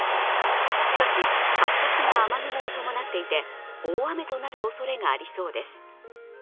しかし、活発な雨雲を伴っていて、大雨となるおそれがありそうです。